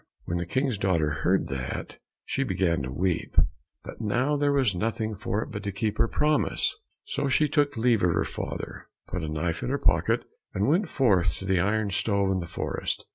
When the King's daughter heard that she began to weep, but now there was nothing for it but to keep her promise. So she took leave of her father, put a knife in her pocket, and went forth to the iron stove in the forest.